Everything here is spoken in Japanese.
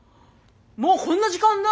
もうこんな時間だ。